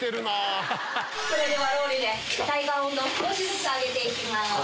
それではロウリュで体感温度を少しずつ上げていきます。